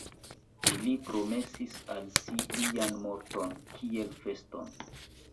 Ili promesis al si lian morton, kiel feston.